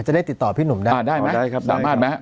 จะได้ติดต่อพี่หนุ่มได้ได้ไหมสามารถไหม